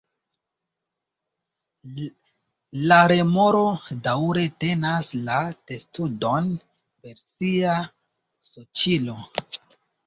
La remoro daŭre tenas la testudon per sia suĉilo.